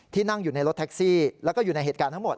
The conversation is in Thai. นั่งอยู่ในรถแท็กซี่แล้วก็อยู่ในเหตุการณ์ทั้งหมด